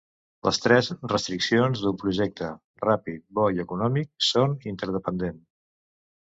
Les tres restriccions d'un projecte Ràpid, Bo i Econòmic són interdependent.